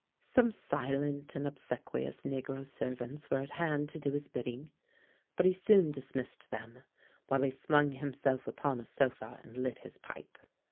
Some silent and obsequious negro servants were at hand to do his bidding; but he soon dismissed them; while he flung himself upon a sofa and lit his pipe.